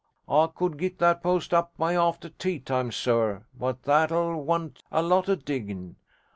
I could git that post up by after tea time, sir, but that'll want a lot of digging.